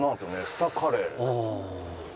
スタカレー。